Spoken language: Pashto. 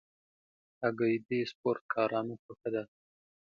هګۍ د سپورټکارانو خوښه ده.